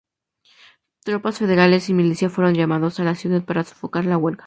Tropas federales y milicia fueron llamados a la ciudad para sofocar la huelga.